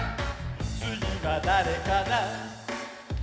「つぎはだれかな？」